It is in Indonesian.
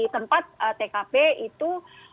tempat tkp itu